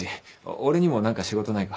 俺にも何か仕事ないか？